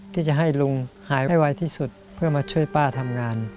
ที่จะให้ลุงหายไวที่สุดเพื่อมาช่วยป้าทำงาน